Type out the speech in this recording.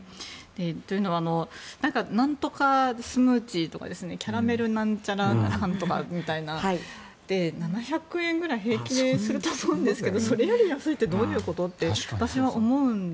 というのはなんとかスムージーとかキャラメルなんちゃらかんとかで７００円くらい平気ですると思うんですがそれより安いってどういうこと？って私は思うんです。